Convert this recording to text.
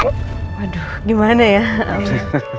jangan sampai kedengeran rosan aku